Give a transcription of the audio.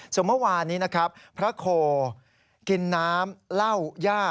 ส่วนเมื่อวานนี้นะครับพระโคกินน้ำเหล้าย่า